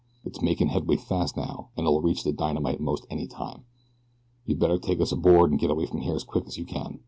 It's makin' headway fast now, an'll reach the dynamite most any time. You'd better take us aboard, an' get away from here as quick as you can.